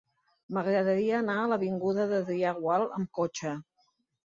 M'agradaria anar a l'avinguda d'Adrià Gual amb cotxe.